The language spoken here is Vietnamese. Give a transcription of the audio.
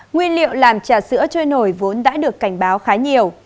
nguyên liệu làm trà sữa trôi nổi vốn đã được cảnh báo khá nhiều